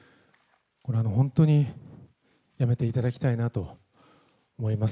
これ本当にやめていただきたいなと思います。